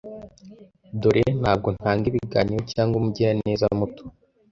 Dore, ntabwo ntanga ibiganiro cyangwa umugiraneza muto,